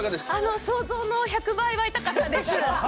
想像の１００倍は痛かったです